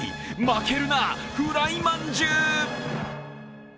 負けるな、フライまんじゅう。